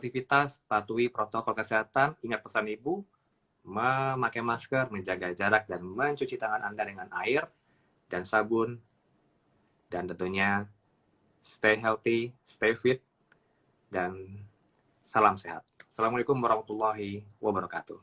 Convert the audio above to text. wassalamualaikum wr wb